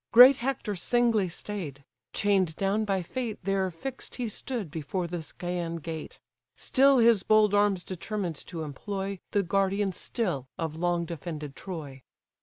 Great Hector singly stay'd: chain'd down by fate There fix'd he stood before the Scæan gate; Still his bold arms determined to employ, The guardian still of long defended Troy.